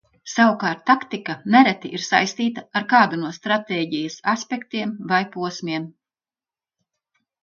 Savukārt taktika nereti ir saistīta ar kādu no stratēģijas aspektiem vai posmiem.